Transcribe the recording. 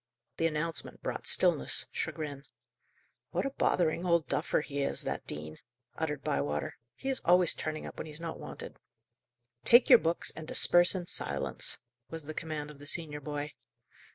The announcement brought stillness, chagrin. "What a bothering old duffer he is, that dean!" uttered Bywater. "He is always turning up when he's not wanted." "Take your books, and disperse in silence," was the command of the senior boy.